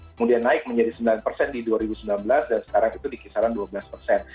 kemudian naik menjadi sembilan persen di dua ribu sembilan belas dan sekarang itu di kisaran dua belas persen